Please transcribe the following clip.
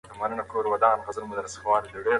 نوی فکر ولرئ.